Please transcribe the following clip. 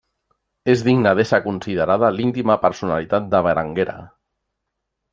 És digna d'ésser considerada l'íntima personalitat de Berenguera.